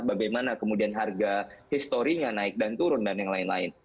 bagaimana kemudian harga historinya naik dan turun dan yang lain lain